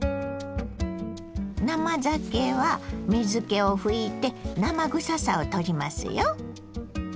生ざけは水けを拭いて生臭さをとりますよ。